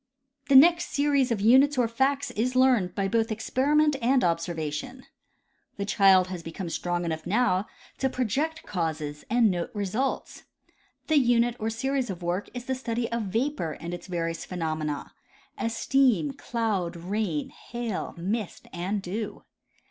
. The next series of units or facts is learned by both experiment and observation. The child has become strong enough now to project causes and note results. The unit or series of work is the stucl}^ of vapor and its various phenomena, as steam, cloud, rain, hail, mist and dew.